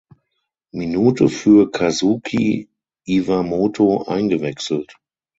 Minute für Kazuki Iwamoto eingewechselt.